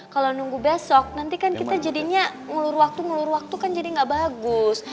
kalau nunggu besok nanti kan kita jadinya ngulur waktu ngulur waktu kan jadi gak bagus